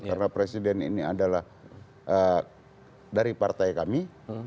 karena presiden ini adalah dari partai kami